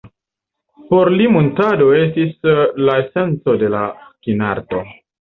Por li muntado estis la esenco de la kinarto.